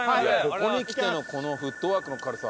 ここにきてのこのフットワークの軽さ。